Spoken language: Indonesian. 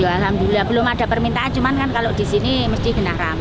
alhamdulillah belum ada permintaan cuman kalau di sini mesti benar benar rame